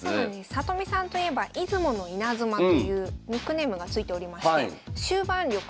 里見さんといえば「出雲のイナズマ」というニックネームが付いておりまして終盤力